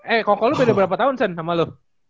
eh koko lu beda berapa tahun sen sama lu